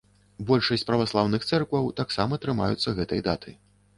Большасць праваслаўных цэркваў таксама трымаюцца гэтай даты.